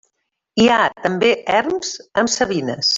Hi ha també erms amb savines.